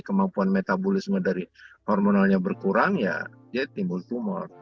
kemampuan metabolisme dari hormonalnya berkurang ya jadi timbul tumor